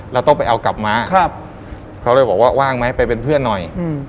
แล้วต้องไปเอากลับมาครับเขาเลยบอกว่าว่างไหมไปเป็นเพื่อนหน่อย